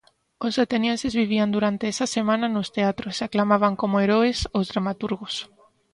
Os atenienses vivían durante esa semana nos teatros e aclamaban como heroes os dramaturgos.